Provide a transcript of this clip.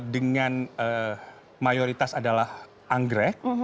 dengan mayoritas adalah anggrek